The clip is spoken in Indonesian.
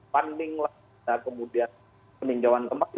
panding kemudian peninjauan kemati